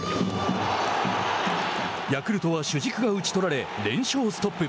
ヤクルトは主軸が打ち取られ連勝ストップ。